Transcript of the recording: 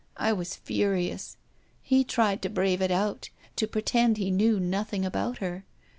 I was furious. He tried to brave it out, to pretend he knew nothing about her.